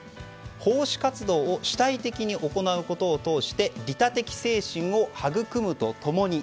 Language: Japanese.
奉仕活動を主体的に行うことを通して利他的精神を育むと共に。